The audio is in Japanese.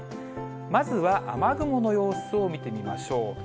まずは雨雲の様子を見てみましょう。